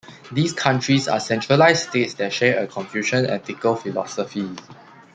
These countries are centralized states that share a Confucian ethical philosophy.